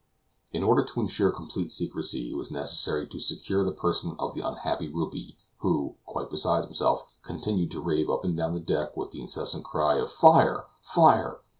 In order to insure complete secrecy, it was necessary to secure the person of the unhappy Ruby, who, quite beside himself, continued to rave up and down the deck with the incessant cry of "Fire! fire!"